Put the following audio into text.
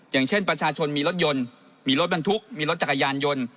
อย่างเช่นประชาชนมีรถยนต์มีรถบรรทุกมีรถจักรยานยนต์